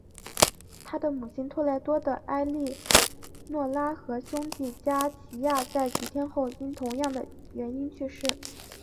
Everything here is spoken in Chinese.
他的母亲托莱多的埃利诺拉和兄弟加齐亚在几天后因同样的原因去世。